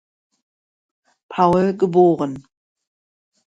Paul geboren.